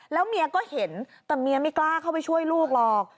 แล้วเมียก็เห็นแต่เมียไม่กล้าเข้าไปช่วยลูกหรอก